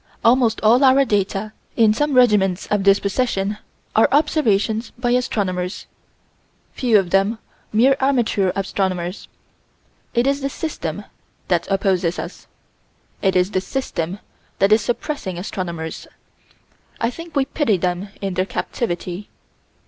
Almost all our data, in some regiments of this procession, are observations by astronomers, few of them mere amateur astronomers. It is the System that opposes us. It is the System that is suppressing astronomers. I think we pity them in their captivity.